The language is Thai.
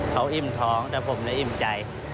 เขาอิ่มท้องแต่ผมอิ่มใจ